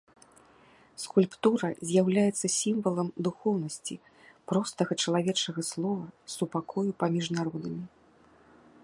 Скульптура з'яўляецца сімвалам духоўнасці, простага чалавечага слова, супакою паміж народамі.